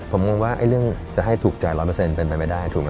ผมมองว่าเรื่องจะให้ถูกจ่าย๑๐๐เป็นไปไม่ได้